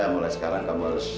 mulai sekarang kamu harus